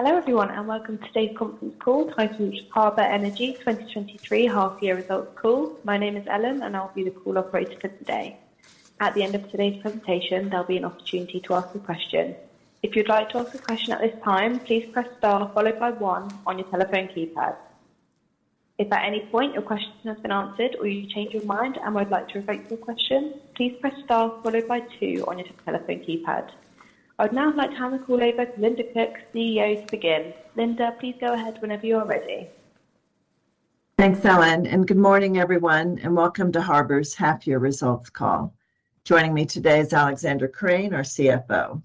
Hello, everyone, and welcome to today's conference call, titled Harbour Energy 2023 Half Year Results Call. My name is Ellen, and I'll be the call operator for today. At the end of today's presentation, there'll be an opportunity to ask a question. If you'd like to ask a question at this time, please press Star followed by one on your telephone keypad. If at any point your question has been answered or you change your mind and would like to revoke your question, please press Star followed by two on your telephone keypad. I would now like to hand the call over to Linda Cook, CEO, to begin. Linda, please go ahead whenever you are ready. Thanks, Ellen, and good morning, everyone, and welcome to Harbour's half-year results call. Joining me today is Alexander Krane, our CFO.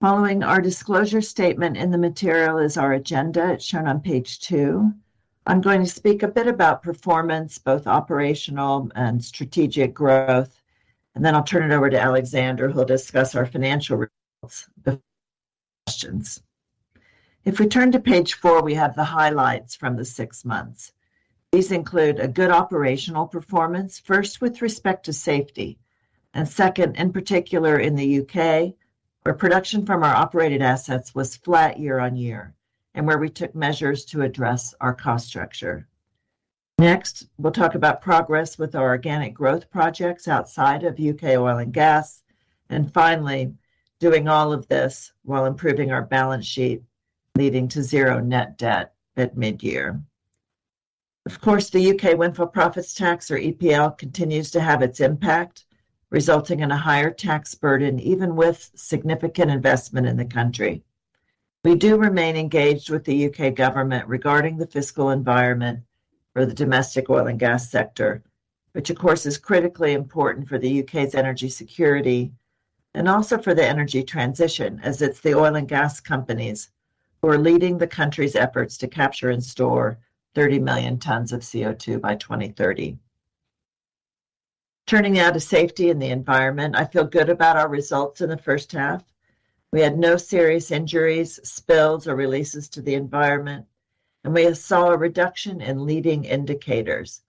Following our disclosure statement in the material is our agenda. It's shown on page two. I'm going to speak a bit about performance, both operational and strategic growth, and then I'll turn it over to Alexander, who'll discuss our financial results, questions. If we turn to page four, we have the highlights from the six months. These include a good operational performance, first, with respect to safety, and second, in particular in the U.K., where production from our operated assets was flat year-on-year and where we took measures to address our cost structure. Next, we'll talk about progress with our organic growth projects outside of U.K. oil and gas, and finally, doing all of this while improving our balance sheet, leading to zero net debt at mid-year. Of course, the U.K. windfall profits tax or EPL, continues to have its impact, resulting in a higher tax burden, even with significant investment in the country. We do remain engaged with the U.K. government regarding the fiscal environment for the domestic oil and gas sector, which of course, is critically important for the U.K.'s energy security and also for the energy transition, as it's the oil and gas companies who are leading the country's efforts to capture and store 30 million tons of CO2 by 2030. Turning now to safety and the environment, I feel good about our results in the first half. We had no serious injuries, spills, or releases to the environment, and we saw a reduction in leading indicators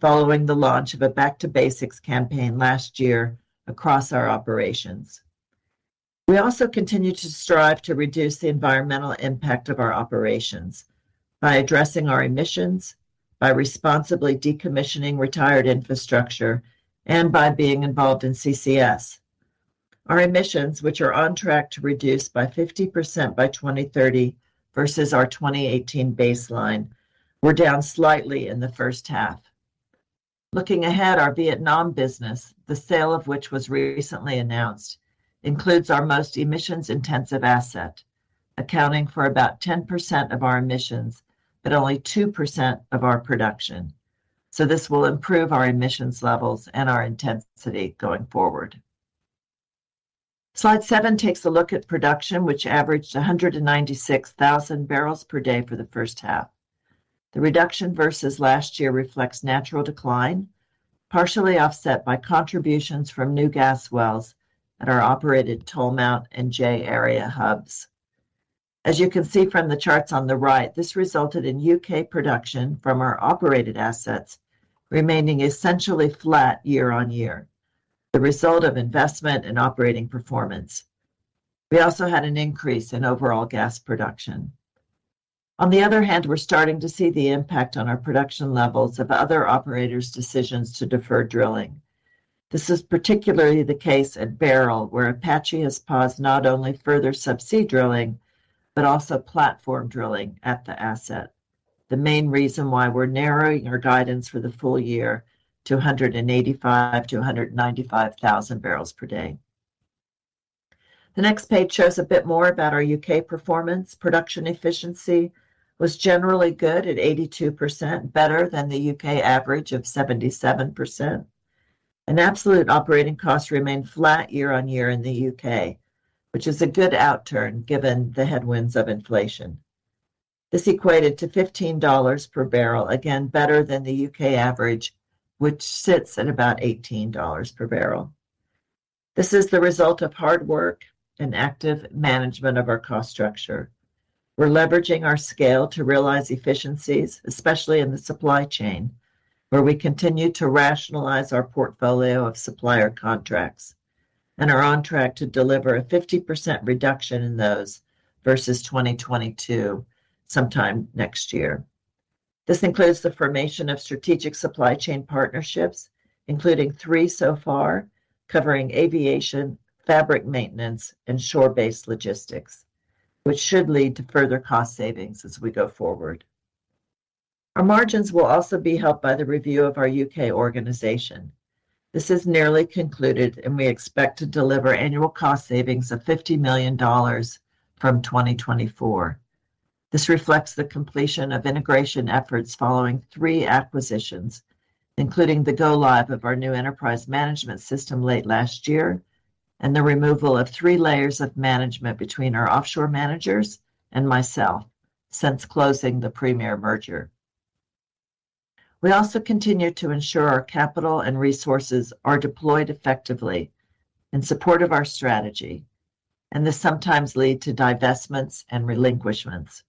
following the launch of a Back to Basics campaign last year across our operations. We also continue to strive to reduce the environmental impact of our operations by addressing our emissions, by responsibly decommissioning retired infrastructure, and by being involved in CCS. Our emissions, which are on track to reduce by 50% by 2030 versus our 2018 baseline, were down slightly in the first half. Looking ahead, our Vietnam business, the sale of which was recently announced, includes our most emissions-intensive asset, accounting for about 10% of our emissions, but only 2% of our production. So this will improve our emissions levels and our intensity going forward. Slide seven takes a look at production, which averaged 196,000 barrels per day for the first half. The reduction versus last year reflects natural decline, partially offset by contributions from new gas wells at our operated Tolmount and J-Area hubs. As you can see from the charts on the right, this resulted in U.K. production from our operated assets remaining essentially flat year-on-year, the result of investment and operating performance. We also had an increase in overall gas production. On the other hand, we're starting to see the impact on our production levels of other operators' decisions to defer drilling. This is particularly the case at Beryl, where Apache has paused not only further subsea drilling, but also platform drilling at the asset. The main reason why we're narrowing our guidance for the full year to 185-195 thousand barrels per day. The next page shows a bit more about our UK performance. Production efficiency was generally good at 82%, better than the U.K. average of 77%. Absolute operating costs remained flat year-on-year in the U.K., which is a good outturn given the headwinds of inflation. This equated to $15 per barrel, again, better than the U.K. average, which sits at about $18 per barrel. This is the result of hard work and active management of our cost structure. We're leveraging our scale to realize efficiencies, especially in the supply chain, where we continue to rationalize our portfolio of supplier contracts and are on track to deliver a 50% reduction in those versus 2022 sometime next year. This includes the formation of strategic supply chain partnerships, including three so far, covering aviation, fabric maintenance, and shore-based logistics, which should lead to further cost savings as we go forward. Our margins will also be helped by the review of our U.K. organization. This is nearly concluded, and we expect to deliver annual cost savings of $50 million from 2024. This reflects the completion of integration efforts following three acquisitions, including the go-live of our new enterprise management system late last year and the removal of three layers of management between our offshore managers and myself since closing the Premier merger. We also continue to ensure our capital and resources are deployed effectively in support of our strategy, and this sometimes lead to divestments and relinquishments....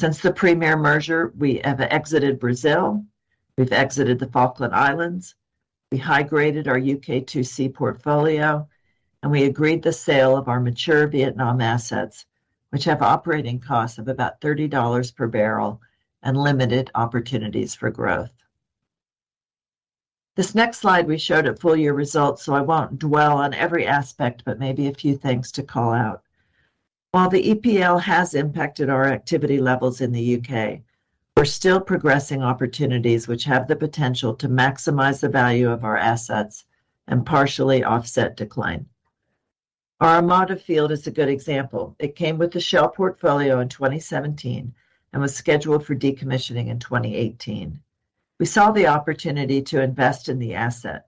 Since the Premier merger, we have exited Brazil, we've exited the Falkland Islands, we high-graded our U.K. 2C portfolio, and we agreed the sale of our mature Vietnam assets, which have operating costs of about $30 per barrel and limited opportunities for growth. This next slide, we showed at full-year results, so I won't dwell on every aspect, but maybe a few things to call out. While the EPL has impacted our activity levels in the U.K., we're still progressing opportunities which have the potential to maximize the value of our assets and partially offset decline. Our Armada field is a good example. It came with the Shell portfolio in 2017 and was scheduled for decommissioning in 2018. We saw the opportunity to invest in the asset,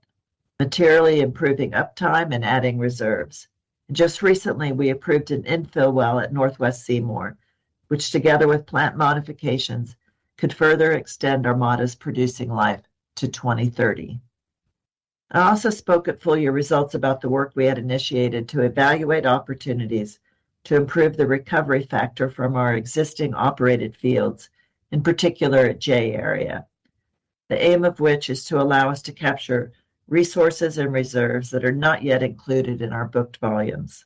materially improving uptime and adding reserves. Just recently, we approved an infill well at North West Seymour, which, together with plant modifications, could further extend our modest producing life to 2030. I also spoke at full-year results about the work we had initiated to evaluate opportunities to improve the recovery factor from our existing operated fields, in particular at J-Area, the aim of which is to allow us to capture resources and reserves that are not yet included in our booked volumes.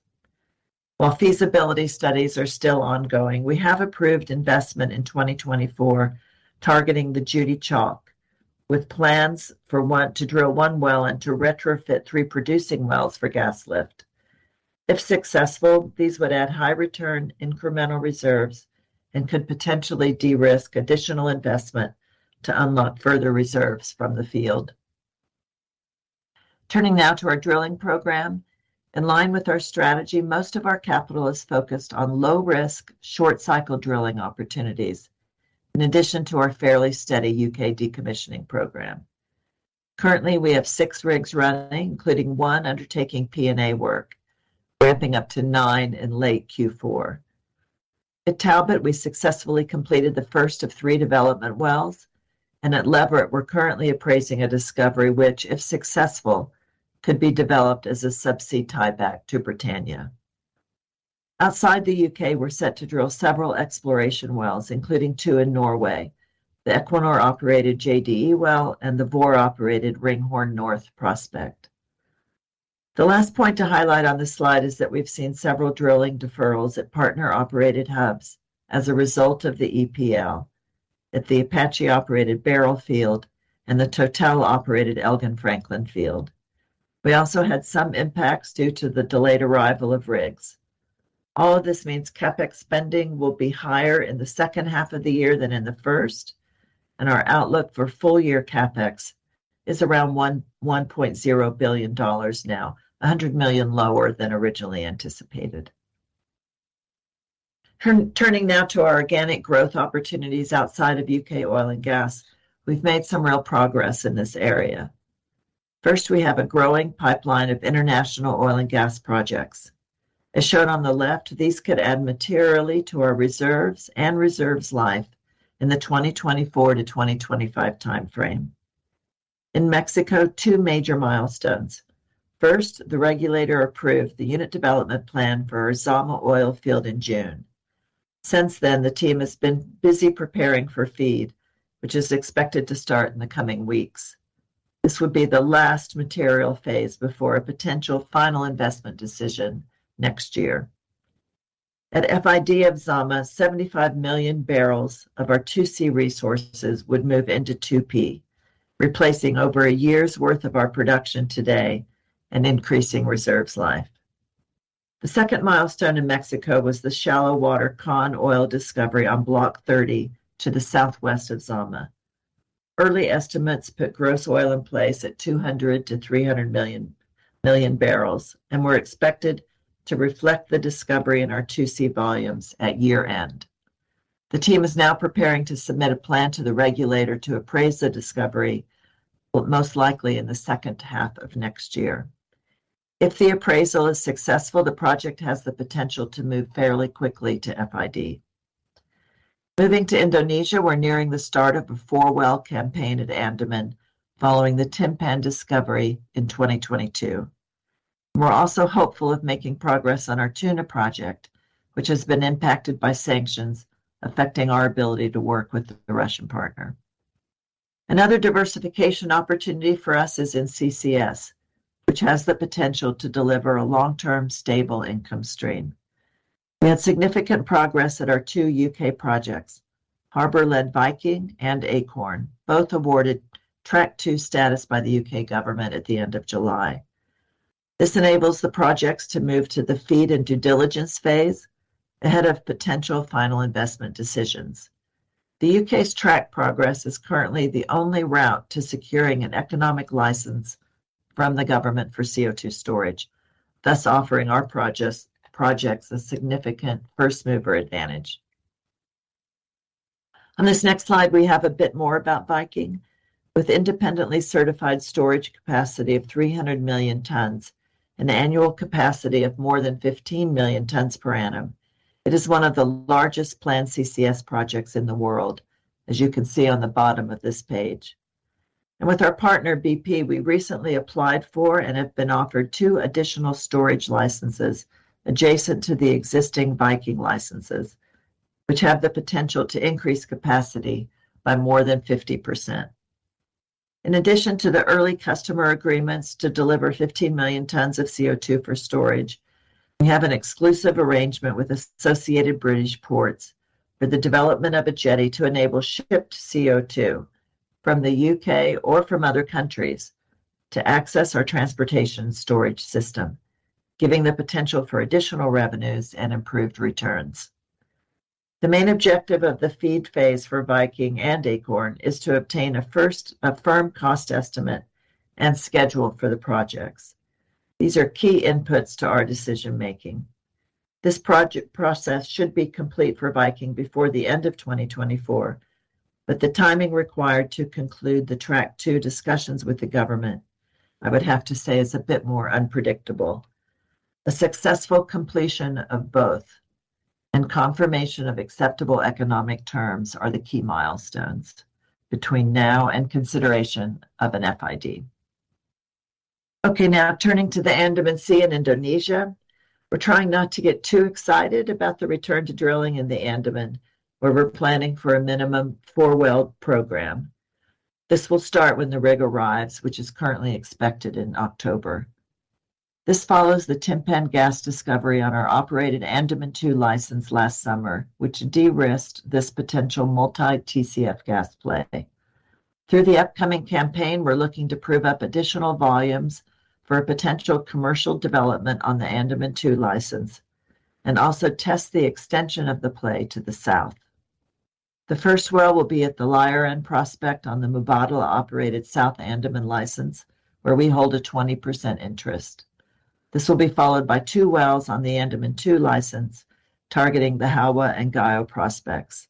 While feasibility studies are still ongoing, we have approved investment in 2024, targeting the Judy Chalk, with plans for one to drill one well and to retrofit three producing wells for gas lift. If successful, these would add high-return incremental reserves and could potentially de-risk additional investment to unlock further reserves from the field. Turning now to our drilling program. In line with our strategy, most of our capital is focused on low-risk, short-cycle drilling opportunities, in addition to our fairly steady U.K. decommissioning program. Currently, we have 6 rigs running, including 1 undertaking P&A work, ramping up to 9 in late Q4. At Talbot, we successfully completed the first of 3 development wells, and at Leverett, we're currently appraising a discovery, which, if successful, could be developed as a subsea tieback to Britannia. Outside the U.K., we're set to drill several exploration wells, including 2 in Norway, the Equinor-operated JDE well and the Vår-operated Ringhorne North prospect. The last point to highlight on this slide is that we've seen several drilling deferrals at partner-operated hubs as a result of the EPL, at the Apache-operated Beryl field and the Total-operated Elgin-Franklin field. We also had some impacts due to the delayed arrival of rigs. All of this means CapEx spending will be higher in the second half of the year than in the first, and our outlook for full-year CapEx is around $1.0 billion now, $100 million lower than originally anticipated. Turning now to our organic growth opportunities outside of U.K. oil and gas, we've made some real progress in this area. First, we have a growing pipeline of international oil and gas projects. As shown on the left, these could add materially to our reserves and reserves life in the 2024-2025 time frame. In Mexico, two major milestones. First, the regulator approved the unit development plan for Zama oil field in June. Since then, the team has been busy preparing for FEED, which is expected to start in the coming weeks. This would be the last material phase before a potential final investment decision next year. At FID of Zama, 75 million barrels of our 2C resources would move into 2P, replacing over a year's worth of our production today and increasing reserves life. The second milestone in Mexico was the shallow water Kan oil discovery on Block 30, to the southwest of Zama. Early estimates put gross oil in place at 200 million-300 million barrels and we're expected to reflect the discovery in our 2C volumes at year-end. The team is now preparing to submit a plan to the regulator to appraise the discovery, most likely in the second half of next year. If the appraisal is successful, the project has the potential to move fairly quickly to FID. Moving to Indonesia, we're nearing the start of a four-well campaign at Andaman, following the Timpan discovery in 2022. We're also hopeful of making progress on our Tuna project, which has been impacted by sanctions affecting our ability to work with the Russian partner. Another diversification opportunity for us is in CCS, which has the potential to deliver a long-term, stable income stream. We had significant progress at our two U.K. projects, Harbour-led Viking and Acorn, both awarded Track 2 status by the U.K. government at the end of July. This enables the projects to move to the FEED and due diligence phase ahead of potential final investment decisions. The U.K.'s Track 2 progress is currently the only route to securing an economic license from the government for CO2 storage, thus offering our projects a significant first-mover advantage. On this next slide, we have a bit more about Viking. With independently certified storage capacity of 300 million tons and an annual capacity of more than 15 million tons per annum, it is one of the largest planned CCS projects in the world, as you can see on the bottom of this page... And with our partner, BP, we recently applied for and have been offered 2 additional storage licenses adjacent to the existing Viking licenses, which have the potential to increase capacity by more than 50%. In addition to the early customer agreements to deliver 15 million tons of CO₂ for storage, we have an exclusive arrangement with Associated British Ports for the development of a jetty to enable shipped CO₂ from the U.K. or from other countries to access our transportation storage system, giving the potential for additional revenues and improved returns. The main objective of the FEED phase for Viking and Acorn is to obtain a firm cost estimate and schedule for the projects. These are key inputs to our decision making. This project process should be complete for Viking before the end of 2024, but the timing required to conclude the Track 2 discussions with the government, I would have to say, is a bit more unpredictable. A successful completion of both and confirmation of acceptable economic terms are the key milestones between now and consideration of an FID. Okay, now turning to the Andaman Sea in Indonesia, we're trying not to get too excited about the return to drilling in the Andaman, where we're planning for a minimum 4-well program. This will start when the rig arrives, which is currently expected in October. This follows the Timpan gas discovery on our operated Andaman II license last summer, which de-risked this potential multi-TCF gas play. Through the upcoming campaign, we're looking to prove up additional volumes for a potential commercial development on the Andaman II license, and also test the extension of the play to the south. The first well will be at the Layaran prospect on the Mubadala-operated South Andaman license, where we hold a 20% interest. This will be followed by two wells on the Andaman II license, targeting the Halwa and Gayo prospects.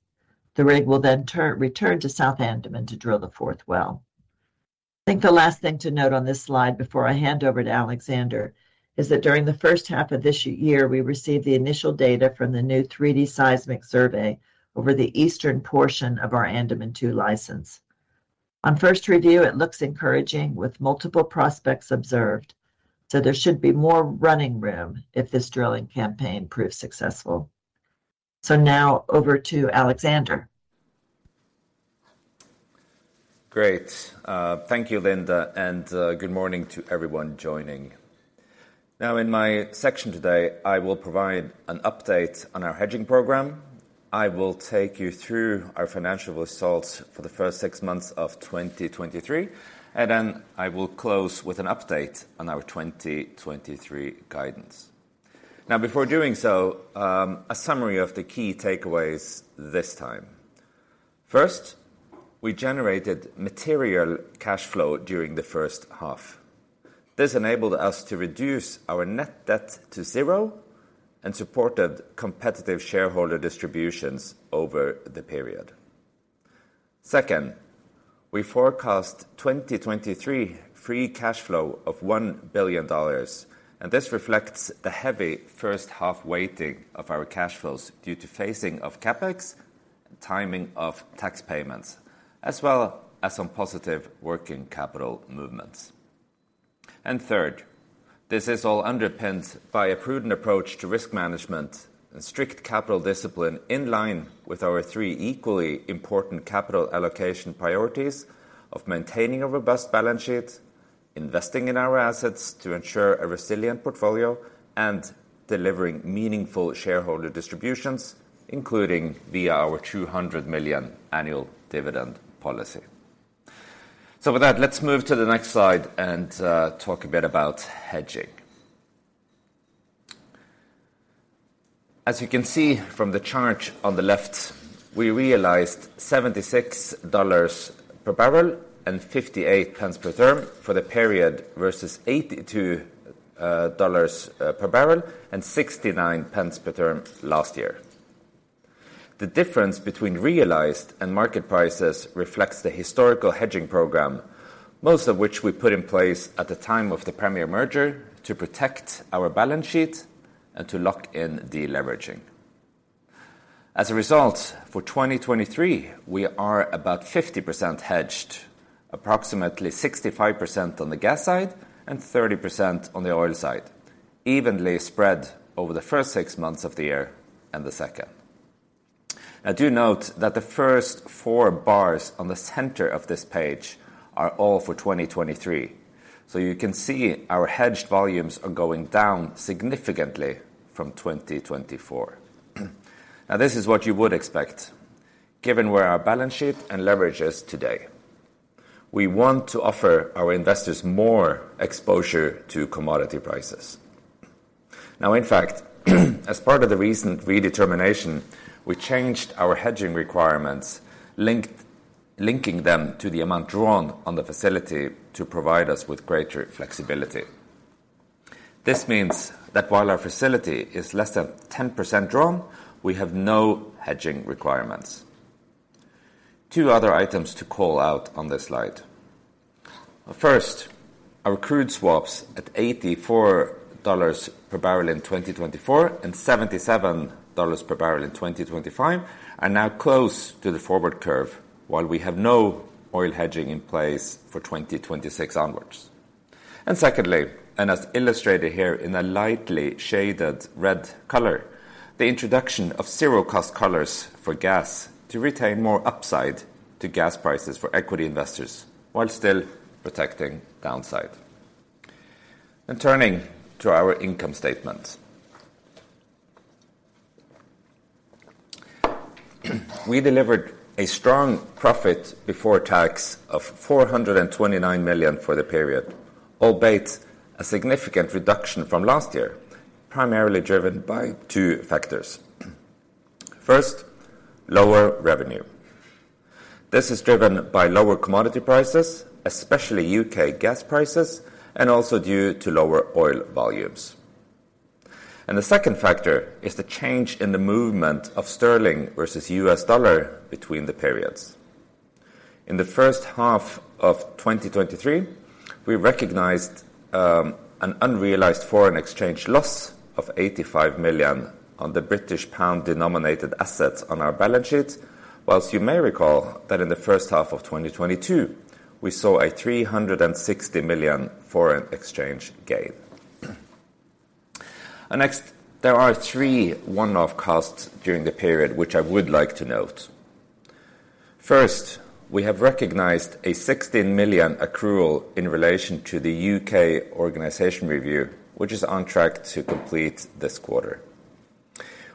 The rig will then return to South Andaman to drill the fourth well. I think the last thing to note on this slide before I hand over to Alexander, is that during the first half of this year, we received the initial data from the new 3D seismic survey over the eastern portion of our Andaman II license. On first review, it looks encouraging with multiple prospects observed, so there should be more running room if this drilling campaign proves successful. So now over to Alexander. Great. Thank you, Linda, and good morning to everyone joining. Now, in my section today, I will provide an update on our hedging program. I will take you through our financial results for the first six months of 2023, and then I will close with an update on our 2023 guidance. Now, before doing so, a summary of the key takeaways this time. First, we generated material cash flow during the first half. This enabled us to reduce our net debt to 0 and supported competitive shareholder distributions over the period. Second, we forecast 2023 free cash flow of $1 billion, and this reflects the heavy first half weighting of our cash flows due to phasing of CapEx, timing of tax payments, as well as some positive working capital movements. Third, this is all underpinned by a prudent approach to risk management and strict capital discipline in line with our 3 equally important capital allocation priorities of maintaining a robust balance sheet, investing in our assets to ensure a resilient portfolio, and delivering meaningful shareholder distributions, including via our $200 million annual dividend policy. With that, let's move to the next slide and talk a bit about hedging. As you can see from the chart on the left, we realized $76 per barrel and 0.58 per therm for the period versus $82 per barrel and 0.69 per therm last year. The difference between realized and market prices reflects the historical hedging program, most of which we put in place at the time of the Premier merger to protect our balance sheet and to lock in deleveraging. As a result, for 2023, we are about 50% hedged, approximately 65% on the gas side and 30% on the oil side, evenly spread over the first six months of the year and the second. Now, do note that the first four bars on the center of this page are all for 2023. So you can see our hedged volumes are going down significantly from 2024. Now, this is what you would expect, given where our balance sheet and leverage is today. We want to offer our investors more exposure to commodity prices. Now, in fact, as part of the recent redetermination, we changed our hedging requirements, linking them to the amount drawn on the facility to provide us with greater flexibility. This means that while our facility is less than 10% drawn, we have no hedging requirements. Two other items to call out on this slide. First, our crude swaps at $84 per barrel in 2024, and $77 per barrel in 2025, are now close to the forward curve, while we have no oil hedging in place for 2026 onwards. Secondly, and as illustrated here in a lightly shaded red color, the introduction of zero cost collars for gas to retain more upside to gas prices for equity investors while still protecting downside. Turning to our income statement. We delivered a strong profit before tax of $429 million for the period, albeit a significant reduction from last year, primarily driven by two factors. First, lower revenue. This is driven by lower commodity prices, especially U.K. gas prices, and also due to lower oil volumes. And the second factor is the change in the movement of sterling versus US dollar between the periods. In the first half of 2023, we recognized an unrealized foreign exchange loss of $85 million on the British pound-denominated assets on our balance sheet. While you may recall that in the first half of 2022, we saw a $360 million foreign exchange gain. Next, there are three one-off costs during the period, which I would like to note. First, we have recognized a $16 million accrual in relation to the U.K. organization review, which is on track to complete this quarter.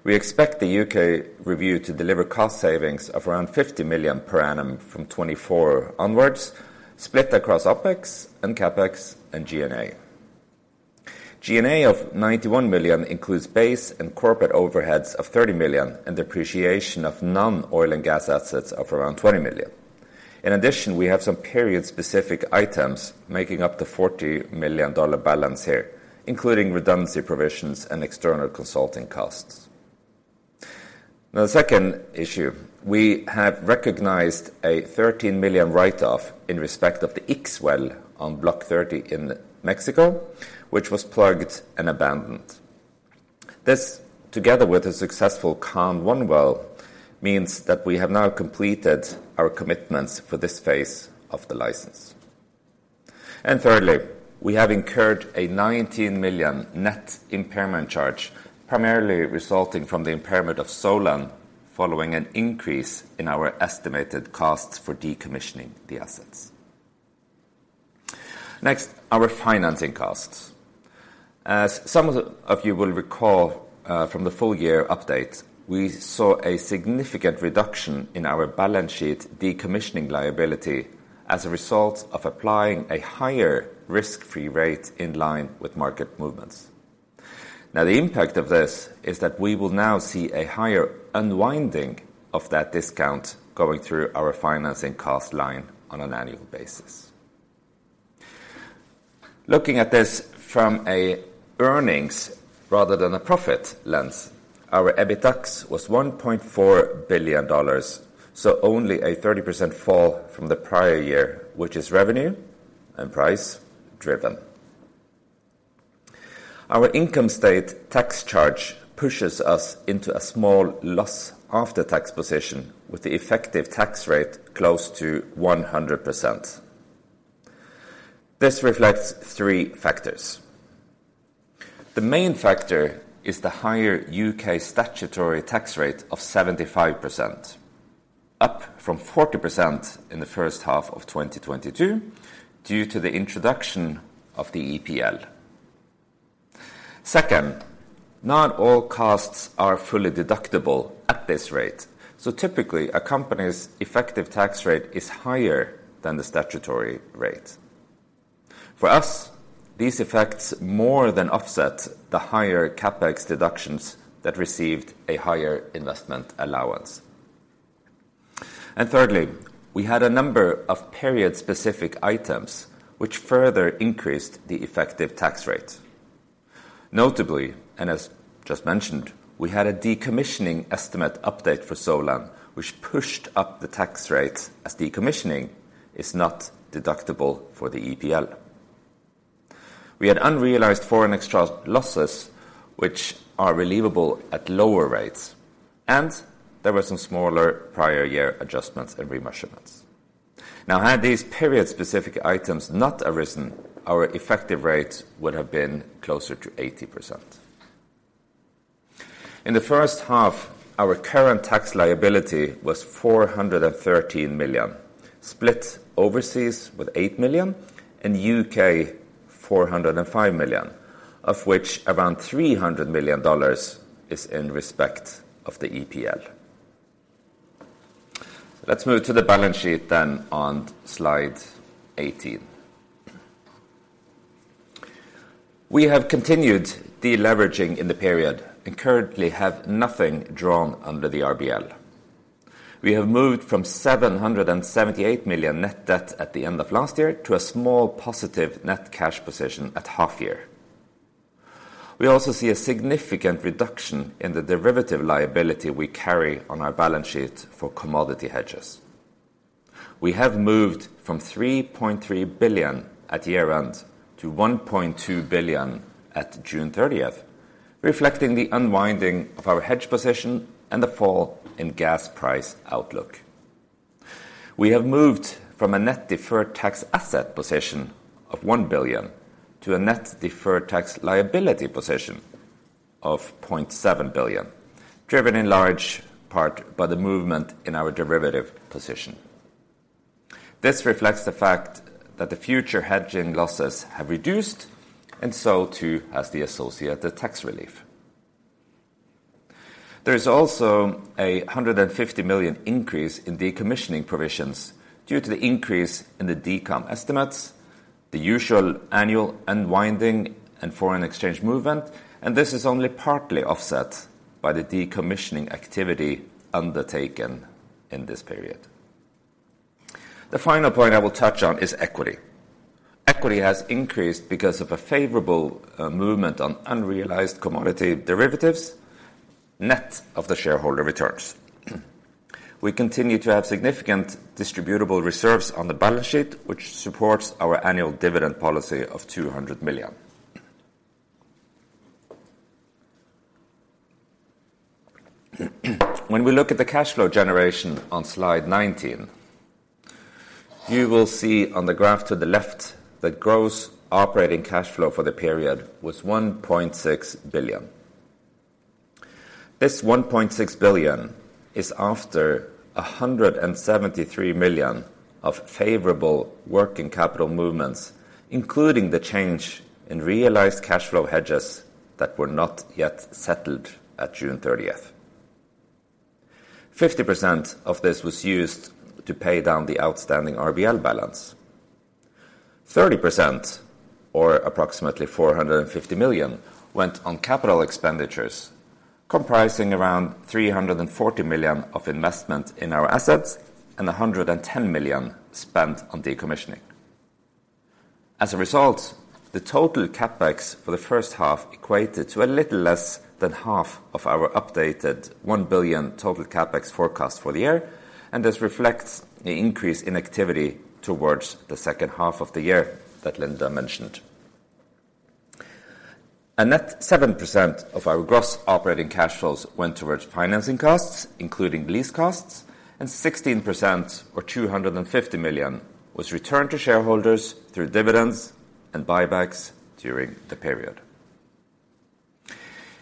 We expect the U.K. review to deliver cost savings of around $50 million per annum from 2024 onwards, split across OpEx and CapEx and G&A. G&A of $91 million includes base and corporate overheads of $30 million, and depreciation of non-oil and gas assets of around $20 million. In addition, we have some period-specific items making up the $40 million balance here, including redundancy provisions and external consulting costs. Now, the second issue, we have recognized a $13 million write-off in respect of the Ix-1 well on Block 30 in Mexico, which was plugged and abandoned. This, together with a successful Kan-1 well, means that we have now completed our commitments for this phase of the license. And thirdly, we have incurred a $19 million net impairment charge, primarily resulting from the impairment of Solan, following an increase in our estimated costs for decommissioning the assets. Next, our financing costs. As some of you will recall from the full year update, we saw a significant reduction in our balance sheet decommissioning liability as a result of applying a higher risk-free rate in line with market movements. Now, the impact of this is that we will now see a higher unwinding of that discount going through our financing cost line on an annual basis. Looking at this from an earnings rather than a profit lens, our EBITDAX was $1.4 billion, so only a 30% fall from the prior year, which is revenue and price driven. Our income statement tax charge pushes us into a small loss after tax position, with the effective tax rate close to 100%. This reflects three factors. The main factor is the higher U.K. statutory tax rate of 75%, up from 40% in the first half of 2022, due to the introduction of the EPL. Second, not all costs are fully deductible at this rate, so typically, a company's effective tax rate is higher than the statutory rate. For us, these effects more than offset the higher CapEx deductions that received a higher investment allowance. And thirdly, we had a number of period-specific items which further increased the effective tax rate. Notably, and as just mentioned, we had a decommissioning estimate update for Solan, which pushed up the tax rate as decommissioning is not deductible for the EPL. We had unrealized foreign exchange losses, which are relievable at lower rates, and there were some smaller prior year adjustments and remeasurements. Now, had these period-specific items not arisen, our effective rate would have been closer to 80%. In the first half, our current tax liability was $413 million, split overseas with $8 million, and U.K., $405 million, of which around $300 million is in respect of the EPL. Let's move to the balance sheet then on slide 18. We have continued deleveraging in the period and currently have nothing drawn under the RBL. We have moved from $778 million net debt at the end of last year to a small positive net cash position at half year. We also see a significant reduction in the derivative liability we carry on our balance sheet for commodity hedges. We have moved from $3.3 billion at year-end to $1.2 billion at June 30, reflecting the unwinding of our hedge position and the fall in gas price outlook. We have moved from a net deferred tax asset position of $1 billion to a net deferred tax liability position of $0.7 billion, driven in large part by the movement in our derivative position. This reflects the fact that the future hedging losses have reduced, and so, too, has the associated tax relief. There is also a $150 million increase in decommissioning provisions due to the increase in the decom estimates, the usual annual unwinding and foreign exchange movement, and this is only partly offset by the decommissioning activity undertaken in this period. The final point I will touch on is equity. Equity has increased because of a favorable movement on unrealized commodity derivatives, net of the shareholder returns. We continue to have significant distributable reserves on the balance sheet, which supports our annual dividend policy of $200 million. When we look at the cash flow generation on slide 19, you will see on the graph to the left, the gross operating cash flow for the period was $1.6 billion. This $1.6 billion is after $173 million of favorable working capital movements, including the change in realized cash flow hedges that were not yet settled at June 30. 50% of this was used to pay down the outstanding RBL balance. 30%, or approximately $450 million, went on capital expenditures, comprising around $340 million of investment in our assets and $110 million spent on decommissioning. As a result, the total CapEx for the first half equated to a little less than half of our updated $1 billion total CapEx forecast for the year, and this reflects the increase in activity towards the second half of the year that Linda mentioned. A net 7% of our gross operating cash flows went towards financing costs, including lease costs, and 16%, or $250 million, was returned to shareholders through dividends and buybacks during the period.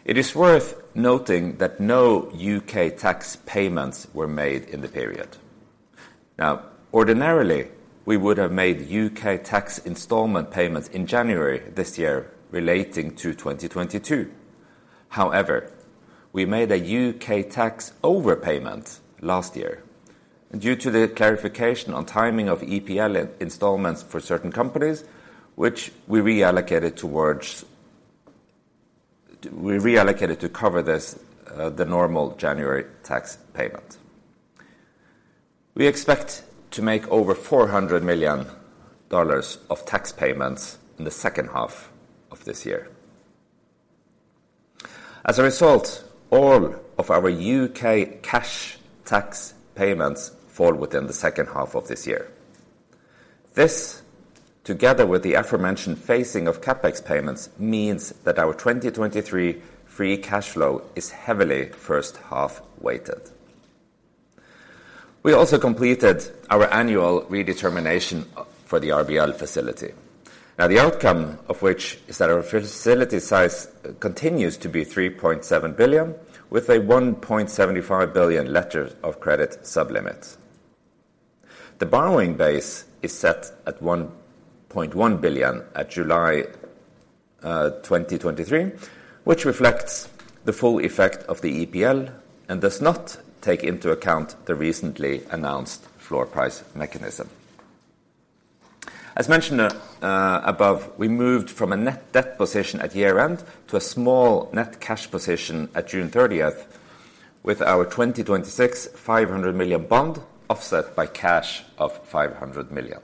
It is worth noting that no U.K. tax payments were made in the period. Now, ordinarily, we would have made U.K. tax installment payments in January this year relating to 2022. However, we made a U.K. tax overpayment last year due to the clarification on timing of EPL installments for certain companies, which we reallocated to cover this, the normal January tax payment. We expect to make over $400 million of tax payments in the second half of this year. As a result, all of our U.K. cash tax payments fall within the second half of this year. This, together with the aforementioned phasing of CapEx payments, means that our 2023 free cash flow is heavily first half weighted. We also completed our annual redetermination for the RBL facility. Now, the outcome of which is that our facility size continues to be $3.7 billion, with a $1.75 billion letter of credit sub-limit. The borrowing base is set at $1.1 billion at July 2023, which reflects the full effect of the EPL and does not take into account the recently announced floor price mechanism. As mentioned above, we moved from a net debt position at year-end to a small net cash position at June 30, with our 2026, $500 million bond offset by cash of $500 million.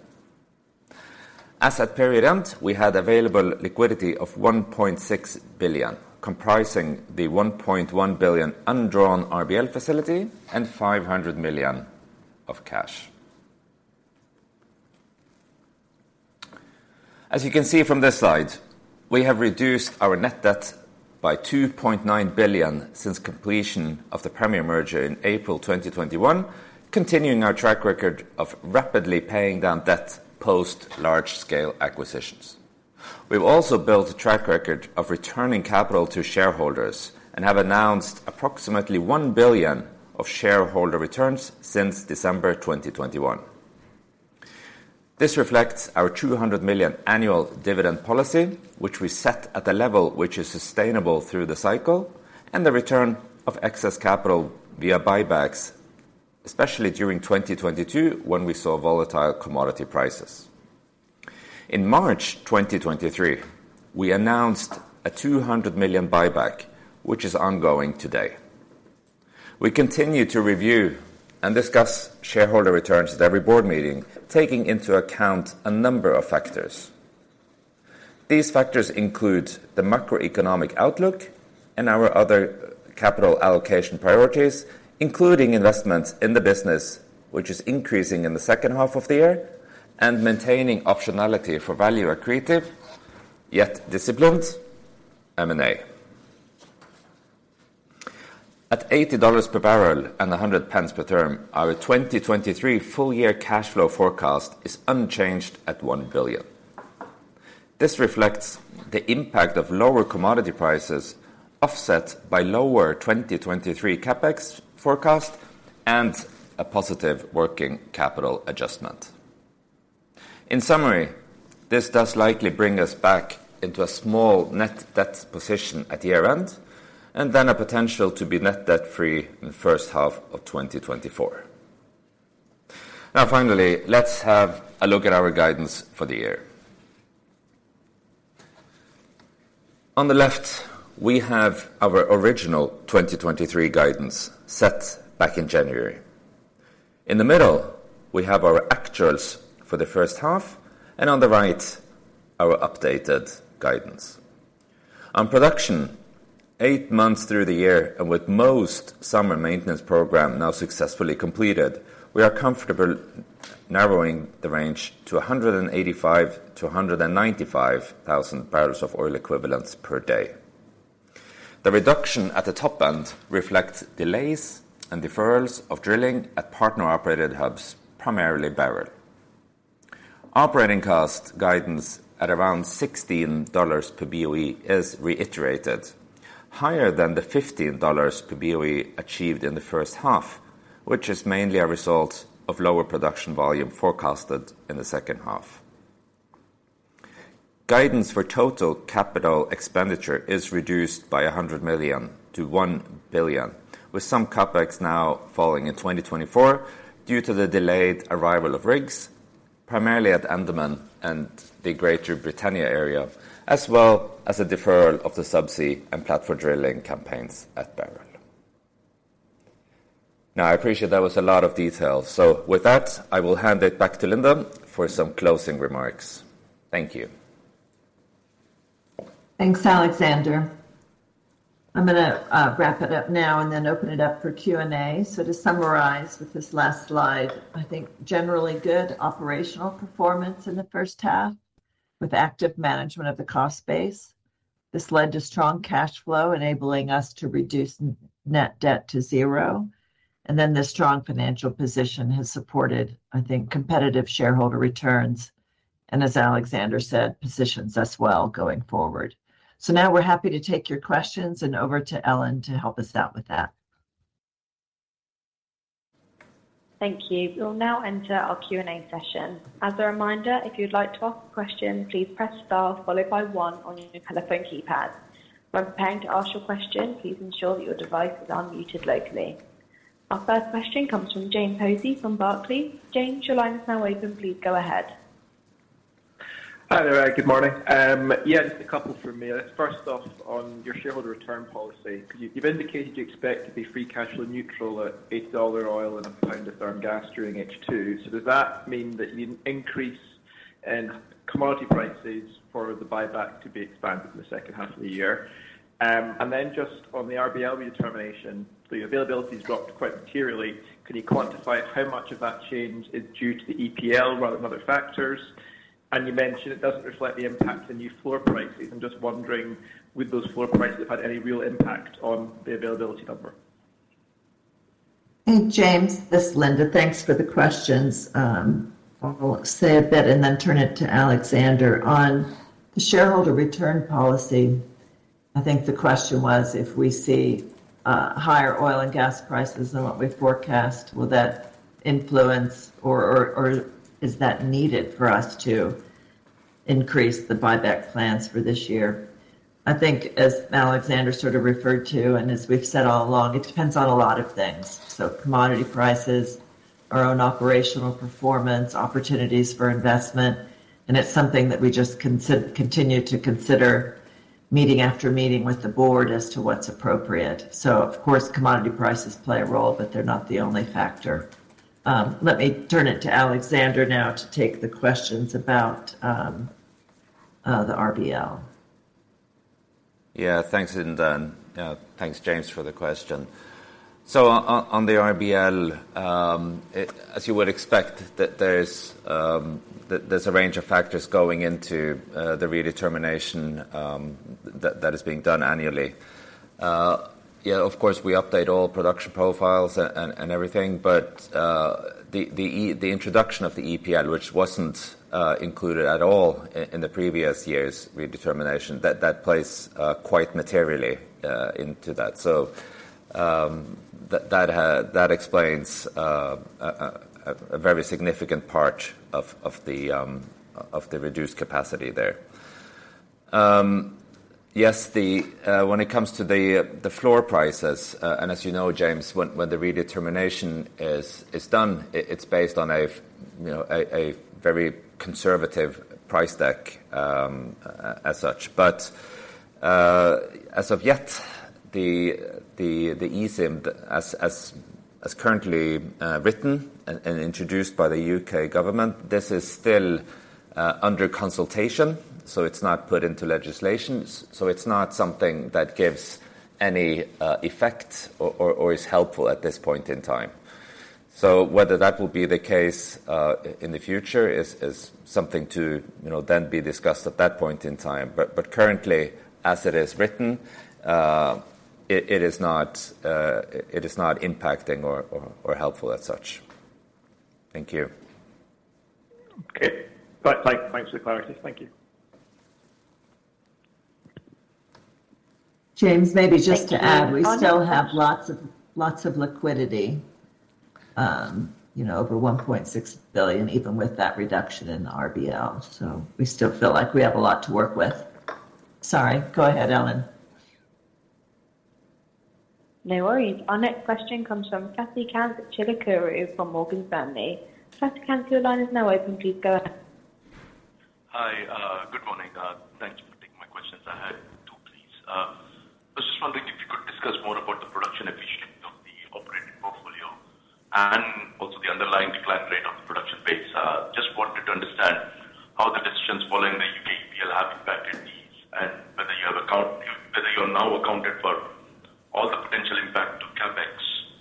As at period end, we had available liquidity of $1.6 billion, comprising the $1.1 billion undrawn RBL facility and $500 million of cash. As you can see from this slide, we have reduced our net debt by $2.9 billion since completion of the Premier merger in April 2021, continuing our track record of rapidly paying down debt post large-scale acquisitions. We've also built a track record of returning capital to shareholders and have announced approximately $1 billion of shareholder returns since December 2021. This reflects our $200 million annual dividend policy, which we set at a level which is sustainable through the cycle, and the return of excess capital via buybacks, especially during 2022, when we saw volatile commodity prices. In March 2023, we announced a $200 million buyback, which is ongoing today. We continue to review and discuss shareholder returns at every board meeting, taking into account a number of factors. These factors include the macroeconomic outlook and our other capital allocation priorities, including investments in the business, which is increasing in the second half of the year, and maintaining optionality for value accretive, yet disciplined M&A. At $80 per barrel and 1.00 per therm, our 2023 full year cash flow forecast is unchanged at $1 billion. This reflects the impact of lower commodity prices, offset by lower 2023 CapEx forecast and a positive working capital adjustment. In summary, this does likely bring us back into a small net debt position at the year-end, and then a potential to be net debt-free in the first half of 2024. Now, finally, let's have a look at our guidance for the year. On the left, we have our original 2023 guidance set back in January. In the middle, we have our actuals for the first half, and on the right, our updated guidance. On production, eight months through the year, and with most summer maintenance program now successfully completed, we are comfortable narrowing the range to 185,000-195,000 barrels of oil equivalents per day. The reduction at the top end reflects delays and deferrals of drilling at partner-operated hubs, primarily Beryl. Operating cost guidance at around $16 per BOE is reiterated, higher than the $15 per BOE achieved in the first half, which is mainly a result of lower production volume forecasted in the second half. Guidance for total capital expenditure is reduced by $100 million to $1 billion, with some CapEx now falling in 2024 due to the delayed arrival of rigs, primarily at Andaman and the Greater Britannia area, as well as a deferral of the subsea and platform drilling campaigns at Beryl. Now, I appreciate that was a lot of detail. With that, I will hand it back to Linda for some closing remarks. Thank you. Thanks, Alexander. I'm gonna wrap it up now and then open it up for Q&A. So to summarize with this last slide, I think generally good operational performance in the first half, with active management of the cost base. This led to strong cash flow, enabling us to reduce net debt to zero, and then the strong financial position has supported, I think, competitive shareholder returns, and as Alexander said, positions us well going forward. So now we're happy to take your questions, and over to Ellen to help us out with that. Thank you. We'll now enter our Q&A session. As a reminder, if you'd like to ask a question, please press star followed by one on your telephone keypad. While preparing to ask your question, please ensure that your device is unmuted locally. Our first question comes from James Hosie from Barclays. James, your line is now open. Please go ahead. Hi there. Good morning. Yeah, just a couple from me. Let's first off on your shareholder return policy. You, you've indicated you expect to be free cash flow neutral at $8 oil and GBP1/therm gas during H2. So does that mean that you need an increase in commodity prices for the buyback to be expanded in the second half of the year? And then just on the RBL redetermination, so your availability has dropped quite materially. Can you quantify how much of that change is due to the EPL rather than other factors? And you mentioned it doesn't reflect the impact of the new floor prices. I'm just wondering, would those floor prices have had any real impact on the availability number? Hey, James, this is Linda. Thanks for the questions. I'll say a bit and then turn it to Alexander. On the shareholder return policy, I think the question was, if we see higher oil and gas prices than what we forecast, will that influence or is that needed for us to increase the buyback plans for this year? I think as Alexander sort of referred to, and as we've said all along, it depends on a lot of things. So commodity prices, our own operational performance, opportunities for investment, and it's something that we just continue to consider meeting after meeting with the board as to what's appropriate. So of course, commodity prices play a role, but they're not the only factor. Let me turn it to Alexander now to take the questions about the RBL. Yeah. Thanks, Linda. Thanks, James, for the question. So on the RBL, as you would expect, that there's a range of factors going into the redetermination that is being done annually. Yeah, of course, we update all production profiles and everything, but the introduction of the EPL, which wasn't included at all in the previous year's redetermination, that plays quite materially into that. So that explains a very significant part of the reduced capacity there. Yes, when it comes to the floor prices, and as you know, James, when the redetermination is done, it's based on, you know, a very conservative price deck, as such. But as of yet, the EPL, as currently written and introduced by the U.K. government, this is still under consultation, so it's not put into legislation. So it's not something that gives any effect or is helpful at this point in time. So whether that will be the case in the future is something to, you know, then be discussed at that point in time. But currently, as it is written, it is not impacting or helpful as such. Thank you. Okay. Thanks for the clarity. Thank you. James, maybe just to add, we still have lots of, lots of liquidity, you know, over $1.6 billion, even with that reduction in RBL. So we still feel like we have a lot to work with. Sorry. Go ahead, Ellen. No worries. Our next question comes from Ksenia Kouchtoukova from Morgan Stanley. Kathy, your line is now open. Please go ahead. Hi, good morning. Thank you for taking my questions. I had two, please. I was just wondering if you could discuss more about the production efficiency of the operating portfolio and also the underlying decline rate of the production base. Just wanted to understand how the decisions following the U.K. EPL have impacted these, and whether you have now accounted for all the potential impact to CapEx,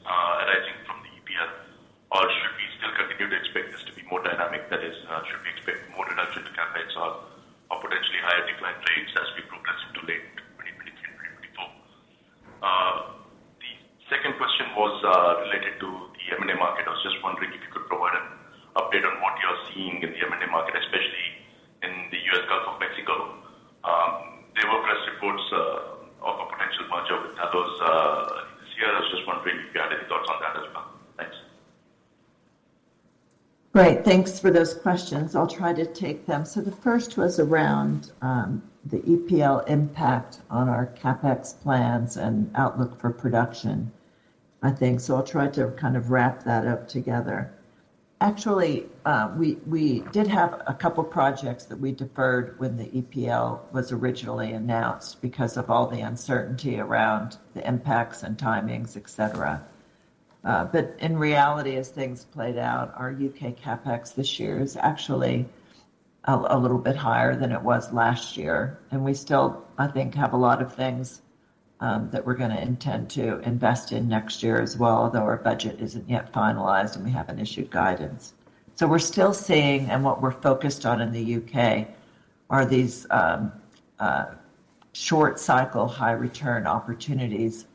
arising from the EPL, or should we still continue to expect this to be more dynamic? That is, should we expect more reduction to CapEx or potentially higher decline rates as we progress into late 2023, 2024? The second question was, related to the M&A market. I was just wondering if you could provide an update on what you're seeing in the M&A market, especially in the U.S. Gulf of Mexico. There were press reports of a potential merger with Talos this year. I was just wondering if you had any thoughts on that as well. Thanks. Great. Thanks for those questions. I'll try to take them. So the first was around the EPL impact on our CapEx plans and outlook for production, I think. So I'll try to kind of wrap that up together. Actually, we did have a couple projects that we deferred when the EPL was originally announced because of all the uncertainty around the impacts and timings, et cetera. But in reality, as things played out, our U.K. CapEx this year is actually a little bit higher than it was last year, and we still, I think, have a lot of things that we're gonna intend to invest in next year as well, although our budget isn't yet finalized, and we haven't issued guidance. So we're still seeing, and what we're focused on in the U.K., are these short cycle, high return opportunities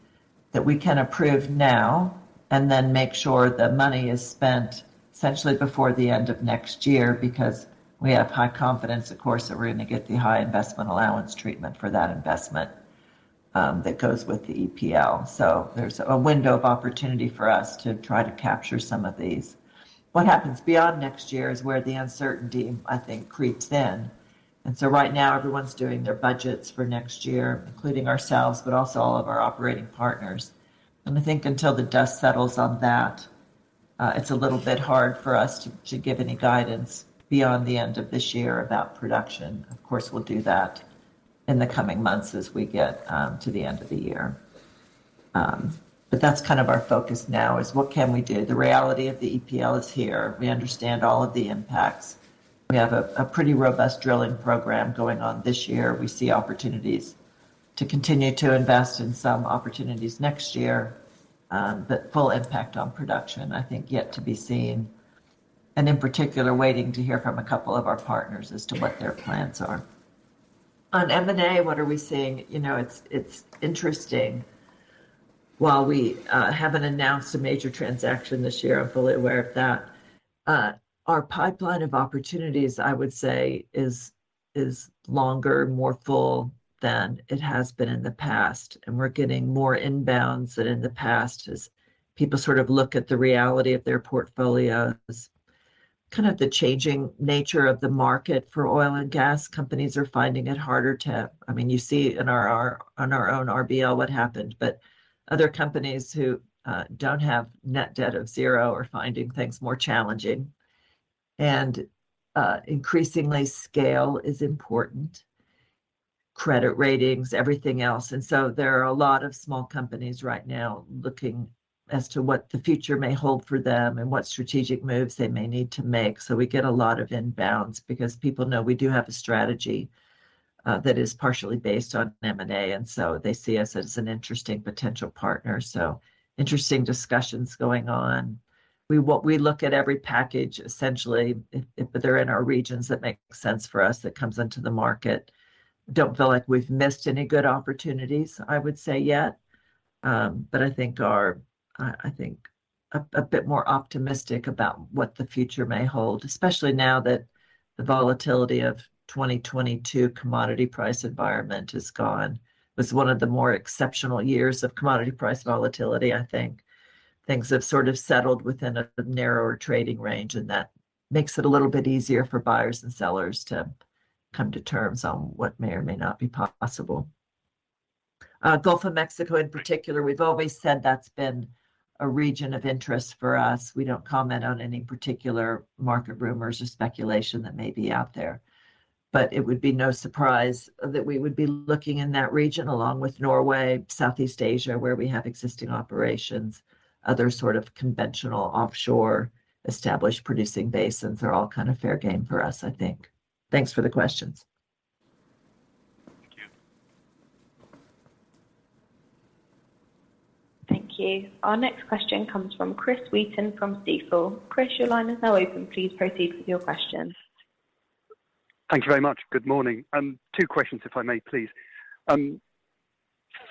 that we can approve now and then make sure the money is spent essentially before the end of next year, because we have high confidence, of course, that we're going to get the high investment allowance treatment for that investment that goes with the EPL. So there's a window of opportunity for us to try to capture some of these. What happens beyond next year is where the uncertainty, I think, creeps in. And so right now, everyone's doing their budgets for next year, including ourselves, but also all of our operating partners. And I think until the dust settles on that, it's a little bit hard for us to give any guidance beyond the end of this year about production. Of course, we'll do that in the coming months as we get to the end of the year. But that's kind of our focus now, is what can we do? The reality of the EPL is here. We understand all of the impacts. We have a pretty robust drilling program going on this year. We see opportunities to continue to invest in some opportunities next year, but full impact on production, I think, yet to be seen, and in particular, waiting to hear from a couple of our partners as to what their plans are. On M&A, what are we seeing? You know, it's interesting. While we haven't announced a major transaction this year, I'm fully aware of that, our pipeline of opportunities, I would say, is, is longer, more full than it has been in the past, and we're getting more inbounds than in the past as people sort of look at the reality of their portfolios, kind of the changing nature of the market for oil and gas. Companies are finding it harder to... I mean, you see in our, on our own RBL, what happened, but other companies who don't have net debt of zero are finding things more challenging. Increasingly, scale is important, credit ratings, everything else. And so there are a lot of small companies right now looking as to what the future may hold for them and what strategic moves they may need to make. So we get a lot of inbounds because people know we do have a strategy that is partially based on M&A, and so they see us as an interesting potential partner. So interesting discussions going on. We look at every package, essentially, if they're in our regions, that makes sense for us, that comes into the market. Don't feel like we've missed any good opportunities, I would say, yet, but I think a bit more optimistic about what the future may hold, especially now that the volatility of 2022 commodity price environment is gone. It was one of the more exceptional years of commodity price volatility, I think. Things have sort of settled within a narrower trading range, and that makes it a little bit easier for buyers and sellers to come to terms on what may or may not be possible. Gulf of Mexico in particular, we've always said that's been a region of interest for us. We don't comment on any particular market rumors or speculation that may be out there. But it would be no surprise that we would be looking in that region, along with Norway, Southeast Asia, where we have existing operations, other sort of conventional offshore established producing basins are all kind of fair game for us, I think. Thanks for the questions. Thank you. Thank you. Our next question comes from Chris Wheaton from Stifel. Chris, your line is now open. Please proceed with your question. Thank you very much. Good morning. Two questions, if I may, please.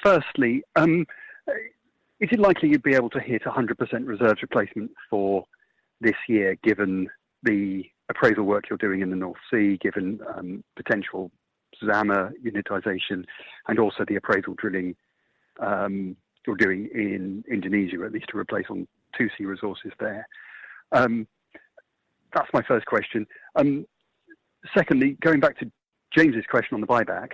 Firstly, is it likely you'd be able to hit 100% reserves replacement for this year, given the appraisal work you're doing in the North Sea, given potential Zama unitization and also the appraisal drilling you're doing in Indonesia, at least to replace on 2C resources there? That's my first question. Secondly, going back to James's question on the buyback,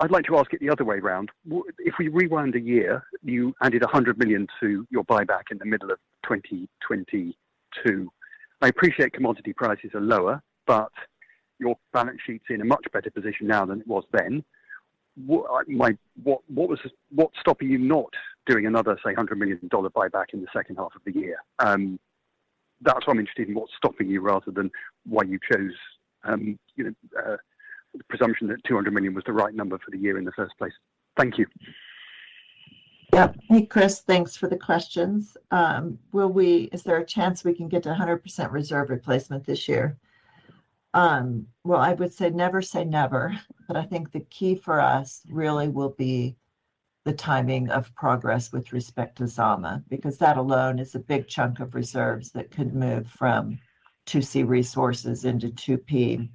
I'd like to ask it the other way around. What if we rewind a year, you added $100 million to your buyback in the middle of 2022. I appreciate commodity prices are lower, but your balance sheet's in a much better position now than it was then. Like, what, what was the... What's stopping you not doing another, say, $100 million buyback in the second half of the year? That's what I'm interested in, what's stopping you, rather than why you chose, you know, the presumption that $200 million was the right number for the year in the first place. Thank you. Yeah. Hey, Chris. Thanks for the questions. Will we-- is there a chance we can get to 100% reserve replacement this year? Well, I would say never say never, but I think the key for us really will be the timing of progress with respect to Zama, because that alone is a big chunk of reserves that could move from 2C resources into 2P.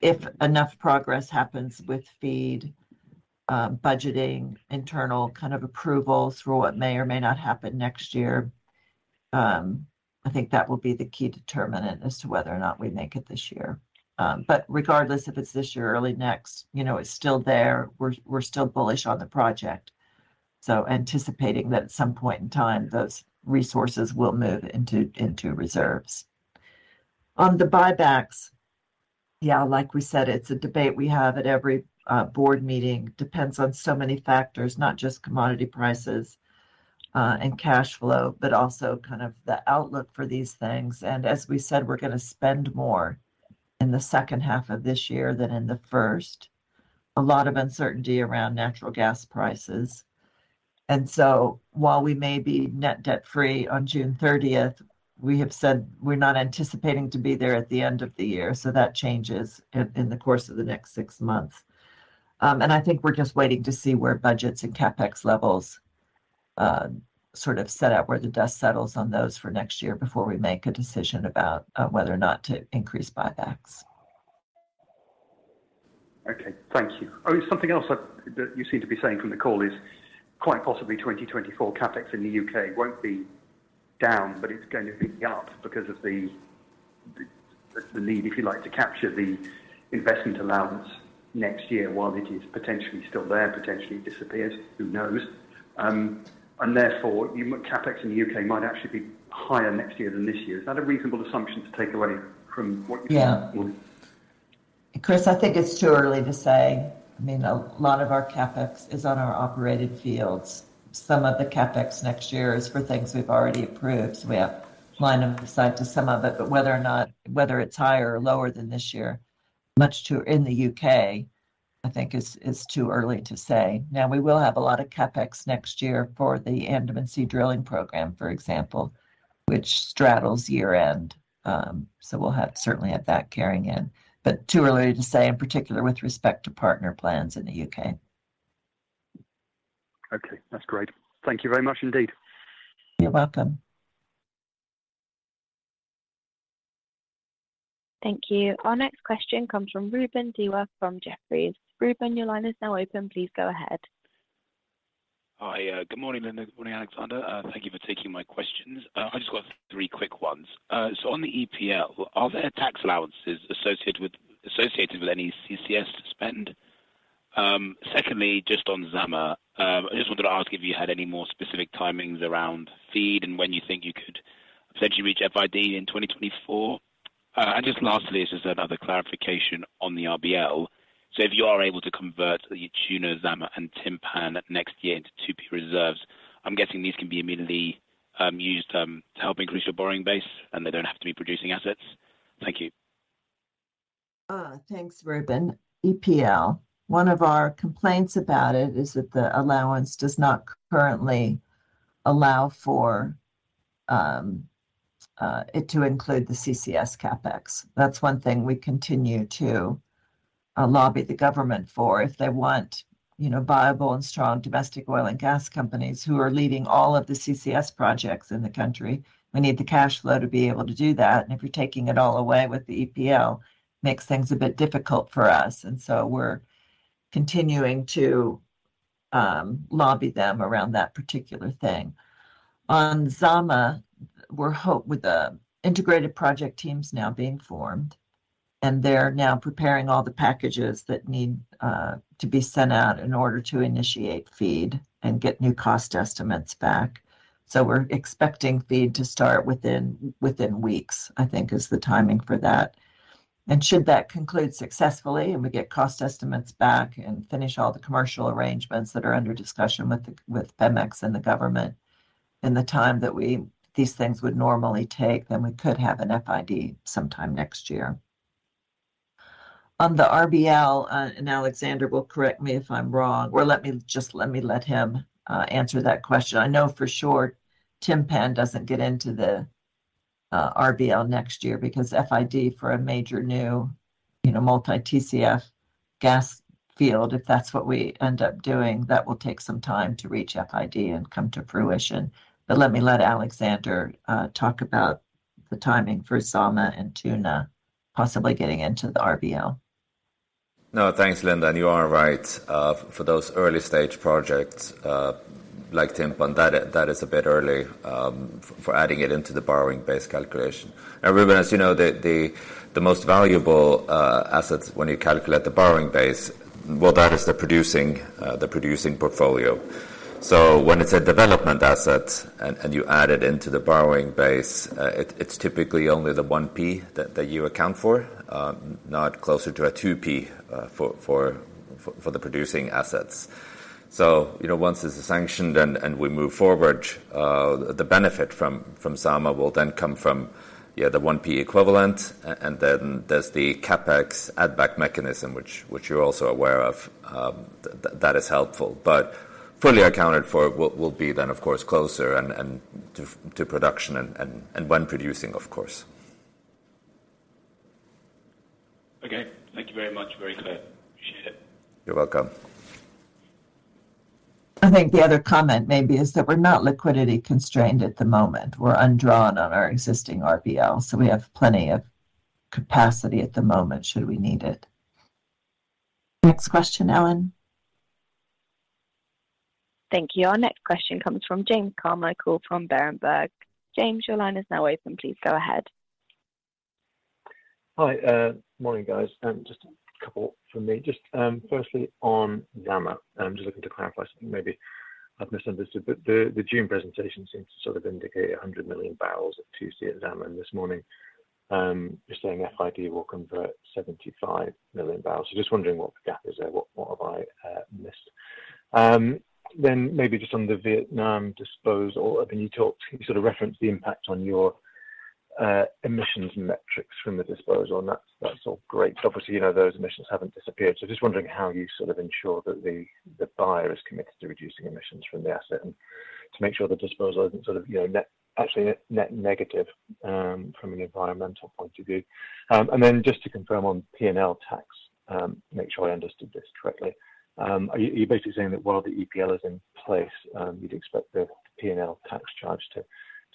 If enough progress happens with FEED, budgeting, internal kind of approval through what may or may not happen next year, I think that will be the key determinant as to whether or not we make it this year. But regardless if it's this year or early next, you know, it's still there. We're, we're still bullish on the project, so anticipating that at some point in time, those resources will move into, into reserves. On the buybacks, yeah, like we said, it's a debate we have at every board meeting. Depends on so many factors, not just commodity prices and cash flow, but also kind of the outlook for these things. And as we said, we're gonna spend more in the second half of this year than in the first. A lot of uncertainty around natural gas prices. And so while we may be net debt-free on June 30, we have said we're not anticipating to be there at the end of the year, so that changes in the course of the next six months. And I think we're just waiting to see where budgets and CapEx levels sort of set out, where the dust settles on those for next year before we make a decision about whether or not to increase buybacks. Okay, thank you. Oh, something else that you seem to be saying from the call is quite possibly 2024 CapEx in the U.K. won't be down, but it's going to be up because of the need, if you like, to capture the investment allowance next year while it is potentially still there, potentially disappears, who knows? And therefore, CapEx in the U.K. might actually be higher next year than this year. Is that a reasonable assumption to take away from what you- Yeah. Chris, I think it's too early to say. I mean, a lot of our CapEx is on our operated fields. Some of the CapEx next year is for things we've already approved, so we have line of sight to some of it. But whether or not, whether it's higher or lower than this year, much to... In the U.K., I think it's, it's too early to say. Now, we will have a lot of CapEx next year for the Andaman Sea drilling program, for example, which straddles year-end. So we'll have, certainly have that carrying in, but too early to say, in particular, with respect to partner plans in the U.K. Okay, that's great. Thank you very much indeed. You're welcome. Thank you. Our next question comes from Ruben Dewa from Jefferies. Ruben, your line is now open. Please go ahead. Hi. Good morning, Linda, good morning, Alexander. Thank you for taking my questions. I've just got three quick ones. So on the EPL, are there tax allowances associated with, associated with any CCS spend? Secondly, just on Zama, I just wanted to ask if you had any more specific timings around FEED and when you think you could potentially reach FID in 2024? And just lastly, this is another clarification on the RBL. So if you are able to convert the Tuna, Zama, and Timpan next year into 2P reserves, I'm guessing these can be immediately used to help increase your borrowing base, and they don't have to be producing assets. Thank you. Thanks, Ruben. EPL, one of our complaints about it is that the allowance does not currently allow for it to include the CCS CapEx. That's one thing we continue to lobby the government for. If they want, you know, viable and strong domestic oil and gas companies who are leading all of the CCS projects in the country, we need the cash flow to be able to do that. And if you're taking it all away with the EPL, makes things a bit difficult for us, and so we're continuing to lobby them around that particular thing. On Zama, with the integrated project teams now being formed and they're now preparing all the packages that need to be sent out in order to initiate FEED and get new cost estimates back. We're expecting FEED to start within weeks, I think is the timing for that. Should that conclude successfully, and we get cost estimates back and finish all the commercial arrangements that are under discussion with Pemex and the government in the time that these things would normally take, then we could have an FID sometime next year. On the RBL, and Alexander will correct me if I'm wrong, or let me let him answer that question. I know for sure Timpan doesn't get into the RBL next year because FID, for a major new, you know, multi-TCF gas field, if that's what we end up doing, that will take some time to reach FID and come to fruition. Let me let Alexander talk about the timing for Zama and Tuna possibly getting into the RBL. No, thanks, Linda, and you are right. For those early-stage projects, like Timpan, that is, that is a bit early for adding it into the borrowing base calculation. Ruben, as you know, the most valuable assets when you calculate the borrowing base, well, that is the producing portfolio. So when it's a development asset and you add it into the borrowing base, it's typically only the 1P that you account for, not closer to a 2P, for the producing assets. So, you know, once this is sanctioned and we move forward, the benefit from Zama will then come from, yeah, the 1P equivalent. And then there's the CapEx add back mechanism, which you're also aware of, that is helpful, but fully accounted for, will be then, of course, closer to production and when producing, of course. Okay. Thank you very much. Very clear. Appreciate it. You're welcome. I think the other comment maybe is that we're not liquidity constrained at the moment. We're undrawn on our existing RBL, so we have plenty of capacity at the moment, should we need it. Next question, Ellen. Thank you. Our next question comes from James Carmichael from Berenberg. James, your line is now open. Please go ahead. Hi. Morning, guys, just a couple from me. Just, firstly, on Zama, and I'm just looking to clarify, maybe I've misunderstood, but the June presentation seemed to sort of indicate 100 million barrels at 2C at Zama, and this morning, you're saying FID will convert 75 million barrels. So just wondering what the gap is there? What, what have I missed? Then maybe just on the Vietnam disposal. I mean, you talked-- you sort of referenced the impact on your emissions metrics from the disposal, and that's all great, but obviously, you know, those emissions haven't disappeared. So just wondering how you sort of ensure that the buyer is committed to reducing emissions from the asset and to make sure the disposal isn't sort of, you know, net, actually net negative, from an environmental point of view. Then just to confirm on P&L tax, make sure I understood this correctly. Are you, you're basically saying that while the EPL is in place, you'd expect the P&L tax charge to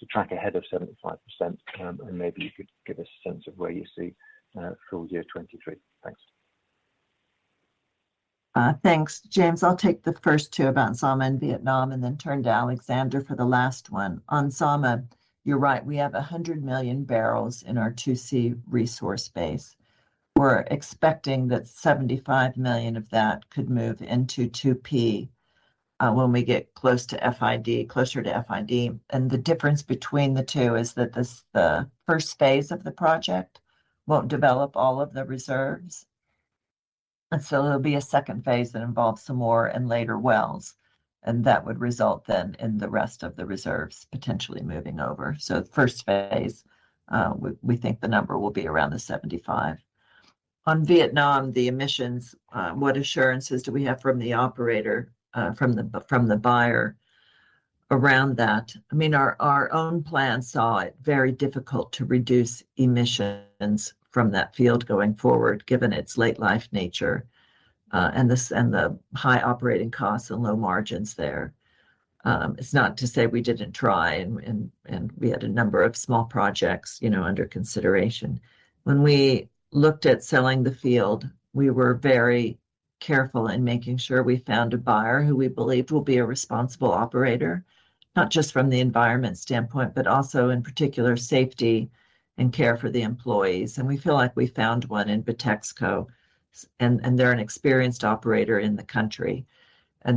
track ahead of 75%? And maybe you could give a sense of where you see full year 2023. Thanks. Thanks, James. I'll take the first two about Zama and Vietnam and then turn to Alexander for the last one. On Zama, you're right, we have 100 million barrels in our 2C resource base. We're expecting that 75 million of that could move into 2P, when we get close to FID, closer to FID. The difference between the two is that this, the first phase of the project won't develop all of the reserves, and so there'll be a second phase that involves some more and later wells, and that would result then in the rest of the reserves potentially moving over. So the first phase, we think the number will be around the 75. On Vietnam, the emissions, what assurances do we have from the operator, from the buyer around that? I mean, our own plan saw it very difficult to reduce emissions from that field going forward, given its late life nature, and the high operating costs and low margins there. It's not to say we didn't try, and we had a number of small projects, you know, under consideration. When we looked at selling the field, we were very careful in making sure we found a buyer who we believed will be a responsible operator, not just from the environment standpoint, but also, in particular, safety and care for the employees. We feel like we found one in Bitexco, and they're an experienced operator in the country.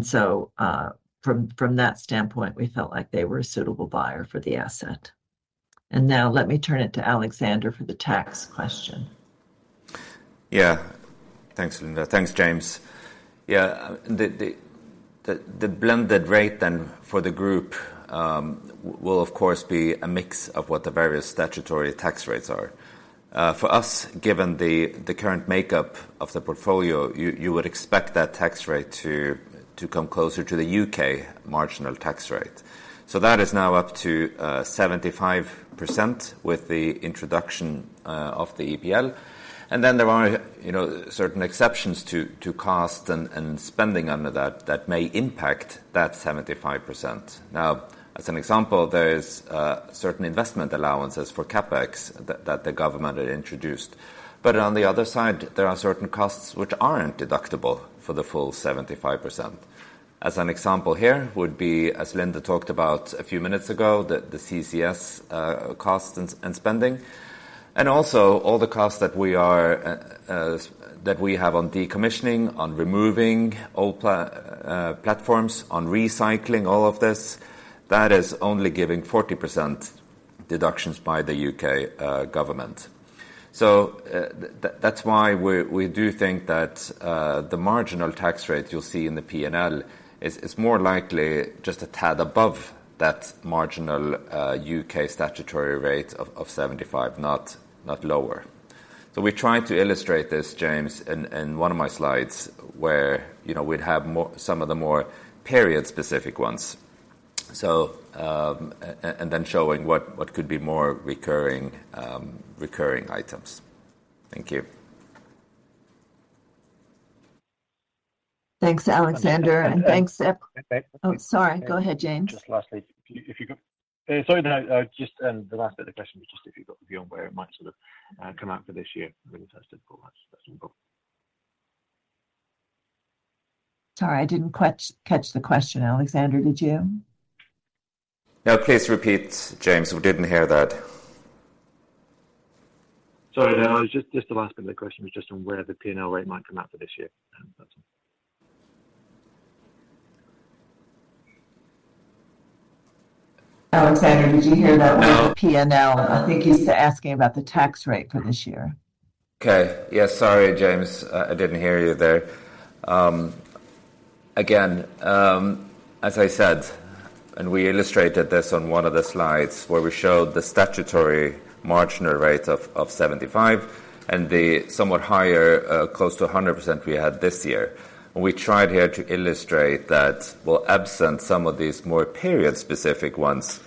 So, from that standpoint, we felt like they were a suitable buyer for the asset. Now let me turn it to Alexander for the tax question. Yeah. Thanks, Linda. Thanks, James. Yeah, the blended rate then for the group will, of course, be a mix of what the various statutory tax rates are. For us, given the current makeup of the portfolio, you would expect that tax rate to come closer to the U.K. marginal tax rate. So that is now up to 75% with the introduction of the EPL. And then there are, you know, certain exceptions to cost and spending under that that may impact that 75%. Now, as an example, there is certain investment allowances for CapEx that the government had introduced. But on the other side, there are certain costs which aren't deductible for the full 75%. As an example here would be, as Linda talked about a few minutes ago, the CCS cost and spending. And also all the costs that we have on decommissioning, on removing old platforms, on recycling, all of this, that is only giving 40% deductions by the U.K. government. So, that's why we do think that the marginal tax rate you'll see in the P&L is more likely just a tad above that marginal U.K. statutory rate of 75, not lower. So we tried to illustrate this, James, in one of my slides, where, you know, we'd have more, some of the more period-specific ones. So, and then showing what could be more recurring items. Thank you. Thanks, Alexander, and thanks. Okay. Oh, sorry. Go ahead, James. Just lastly, if you, if you could... Sorry about that. I just, the last bit of the question was just if you've got a view on where it might sort of come out for this year? I mean, that's difficult, but that's no problem. Sorry, I didn't quite catch the question. Alexander, did you? Yeah, please repeat, James. We didn't hear that. Sorry, I was just. Just the last bit of the question was just on where the P&L rate might come out for this year. That's all. Alexander, did you hear that one on P&L? No. I think he's asking about the tax rate for this year. Okay. Yeah, sorry, James, I didn't hear you there. Again, as I said, and we illustrated this on one of the slides, where we showed the statutory marginal rate of 75% and the somewhat higher, close to 100% we had this year. And we tried here to illustrate that, well, absent some of these more period-specific ones,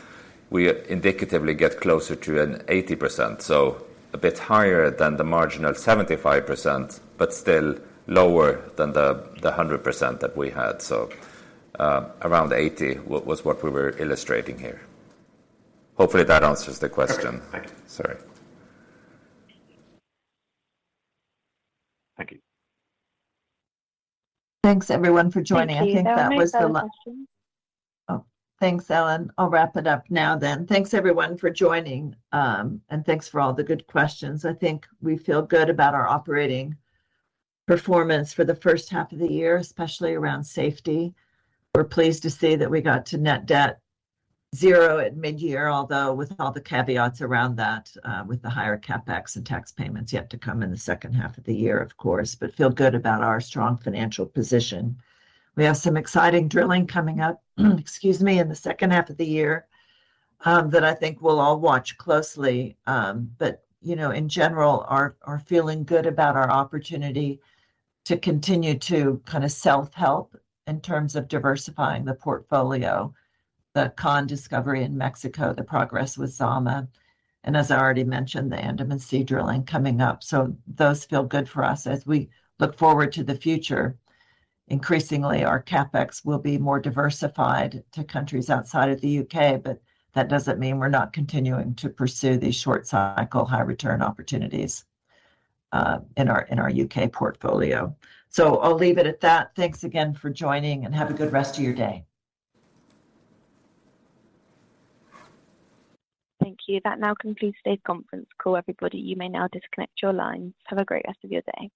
we indicatively get closer to an 80%, so a bit higher than the marginal 75%, but still lower than the 100% that we had. So, around 80% was what we were illustrating here. Hopefully, that answers the question. Perfect. Thank you. Sorry. Thank you. Thanks, everyone, for joining. Thank you. That was the last question. I think that was the la... Oh, thanks, Ellen. I'll wrap it up now then. Thanks, everyone, for joining, and thanks for all the good questions. I think we feel good about our operating performance for the first half of the year, especially around safety. We're pleased to say that we got to net debt zero at mid-year, although with all the caveats around that, with the higher CapEx and tax payments yet to come in the second half of the year, of course, but feel good about our strong financial position. We have some exciting drilling coming up, excuse me, in the second half of the year, that I think we'll all watch closely. But, you know, in general, we are feeling good about our opportunity to continue to kind of self-help in terms of diversifying the portfolio, the Kan discovery in Mexico, the progress with Zama, and as I already mentioned, the Andaman Sea drilling coming up. So those feel good for us as we look forward to the future. Increasingly, our CapEx will be more diversified to countries outside of the U.K., but that doesn't mean we're not continuing to pursue these short-cycle, high-return opportunities in our U.K. portfolio. So I'll leave it at that. Thanks again for joining, and have a good rest of your day. Thank you. That now completes today's conference call, everybody. You may now disconnect your lines. Have a great rest of your day.